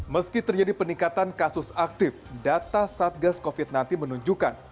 meski terjadi peningkatan kasus aktif data satgas covid sembilan belas menunjukkan